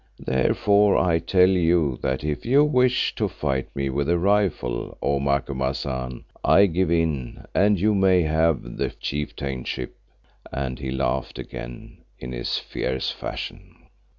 Therefore I tell you that if you wish to fight me with a rifle, O Macumazahn, I give in and you may have the chieftainship," and he laughed again in his fierce fashion.